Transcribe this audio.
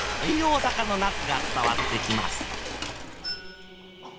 大阪の夏が伝わってきます。